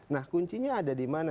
nah kuncinya ada di mana